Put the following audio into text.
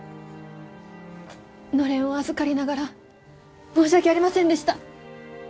のれんを預かりながら申し訳ありませんでした。